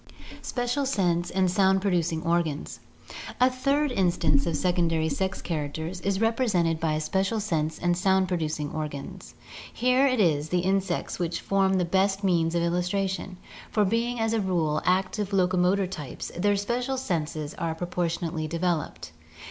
Special Sense and Sound producing Organs.— A third in stance of secondary sex characters is represented by special sense and sound producing organs. Here it is the insects which form the n8 ORGANIC EVOLUTION best means of illustration, for being as a rule active locomotor types, their special senses are proportionately developed.